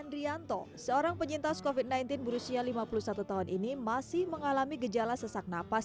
andrianto seorang penyintas kofit sembilan belas berusia lima puluh satu tahun ini masih mengalami gejala sesak napas